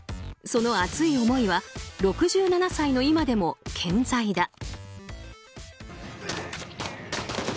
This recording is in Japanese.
その熱い思いは６７歳の今でも健在だ。